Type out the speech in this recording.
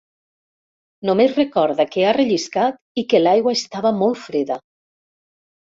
Només recorda que ha relliscat i que l'aigua estava molt freda.